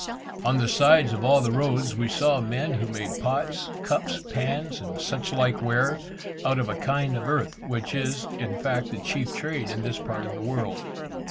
On the sides of all the roads, we saw men who made pots, cups, pans, and such like ware, out of a kind of earth, which is, in fact, the chief trade in this part of the world.